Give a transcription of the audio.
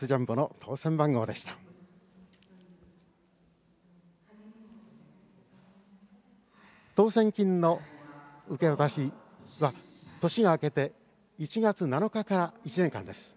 当せん金の受け渡しは年が明けて１月７日から１年間です。